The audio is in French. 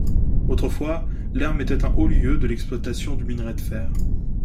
Autrefois, Lherm était un haut lieu de l'exploitation du minerai de fer.